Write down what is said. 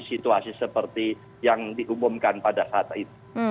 situasi seperti yang diumumkan pada saat itu